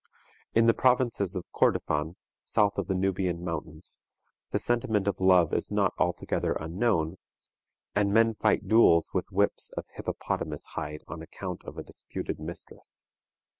In the provinces of Kordofan, south of the Nubian mountains, the sentiment of love is not altogether unknown, and men fight duels with whips of hippopotamus hide on account of a disputed mistress.